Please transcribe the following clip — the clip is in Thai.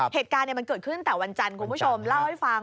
เหตุการณ์มันเกิดขึ้นตั้งแต่วันจันทร์คุณผู้ชมเล่าให้ฟัง